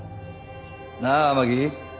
なあ天樹。